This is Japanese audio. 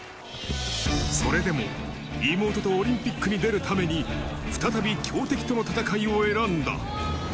それでも妹とオリンピックに出るために、再び強敵との戦いを選んだ。